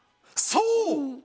そう！